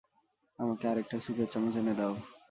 আমাকে আরেকটা স্যুপের চামচ এনে দাও।